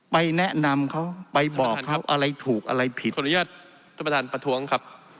ไปแนะนำเขาไปบอกเขาอะไรถูกอะไรผิดสมัยต่างตาประถ้วงครับ